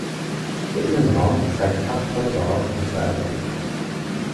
Der Innenraum zeigt prachtvolle barocke Gestaltung.